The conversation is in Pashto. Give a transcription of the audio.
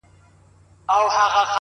د ژوند دوهم جنم دې حد ته رسولی يمه-